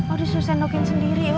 aduh susah sendokin sendiri yaudah sih